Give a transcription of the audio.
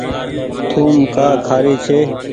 ٿوم ڪآ کآري ڇي۔